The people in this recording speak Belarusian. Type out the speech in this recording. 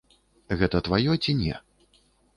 Гэта тваё ці не.